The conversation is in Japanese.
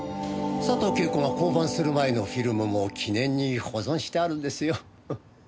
佐藤景子が降板する前のフィルムも記念に保存してあるんですよ。